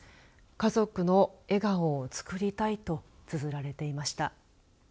家族の笑顔をつくりたいとつづられていました。